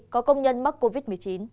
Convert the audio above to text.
có công nhân mắc covid một mươi chín